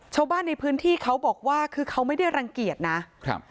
ชาวบ้านในพื้นที่เขาบอกว่าคือเขาไม่ได้รังเกียจนะครับ